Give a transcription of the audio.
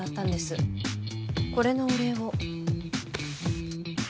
これのお礼を。